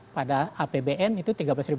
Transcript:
pada apbn itu tiga belas empat ratus